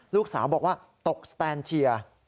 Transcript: ลูกสาวบอกว่าตกสแตนเชียร์